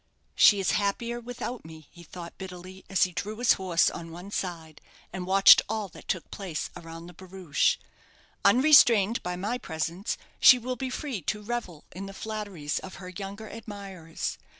"She is happier without me," he thought, bitterly, as he drew his horse on one side, and watched all that took place around the barouche. "Unrestrained by my presence, she will be free to revel in the flatteries of her younger admirers.